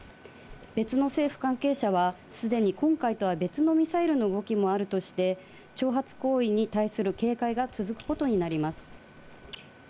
別の政府関係者は、すでに今回とは別のミサイルの動きもあるとして、挑発行為に対する警戒が続くことになります。